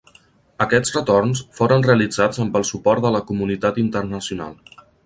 Aquests retorns foren realitzats amb el suport de la comunitat internacional.